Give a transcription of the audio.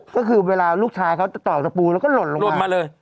ก็คือเวลาลูกชายเขาต่อสปูแล้วก็หล่นลงไป